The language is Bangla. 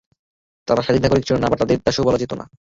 তারা স্বাধীন নাগরিকও ছিল না, আবার তাদের দাসও বলা যেত না।